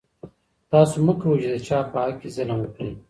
تاسو مه کوئ چې د چا په حق کې ظلم وکړئ.